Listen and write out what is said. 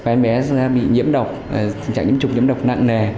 em bé bị nhiễm độc tình trạng nhiễm trục nhiễm độc nặng nề